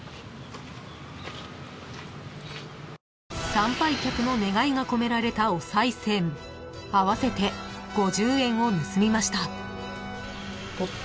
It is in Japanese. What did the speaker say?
［参拝客の願いが込められたおさい銭合わせて５０円を盗みました］